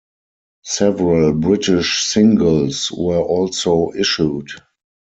Several British singles were also issued.